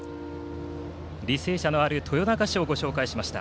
履正社のある豊中市をご紹介しました。